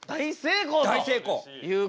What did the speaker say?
大成功と。